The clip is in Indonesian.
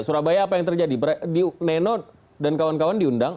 surabaya apa yang terjadi neno dan kawan kawan diundang